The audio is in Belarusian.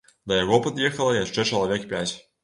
Да яго пад'ехала яшчэ чалавек пяць.